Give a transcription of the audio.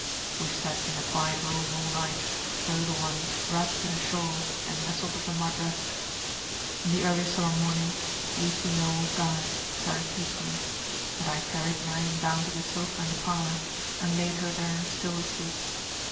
We sat in the quiet room all night, the little one wrapped in a shawl and nestled upon my breast. In the early summer morning Lucy Nowell died, very peacefully; and I carried Marian down to the sofa in the parlour, and laid her there still asleep.